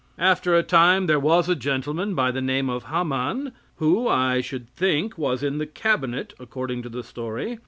After a time there was a gentleman by the name of Haman who, I should think, was in the cabinet, according to the story.